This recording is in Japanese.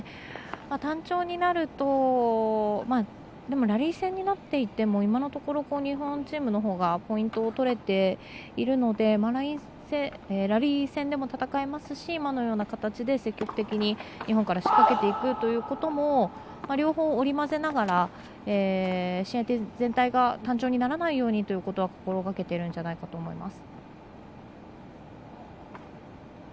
単調になるとでも、ラリー戦になっていても今のところ日本チームのほうがポイントを取れているのでラリー戦でも戦えますし今のような形で、積極的に日本から仕掛けていくということも両方、織り交ぜながら試合全体が単調にならないようにということは心がけてるんじゃないかなと思います。